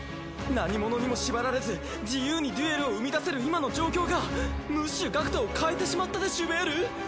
何ものにも縛られず自由にデュエルを生み出せる今の状況がムッシュ学人を変えてしまったでしゅべーる！？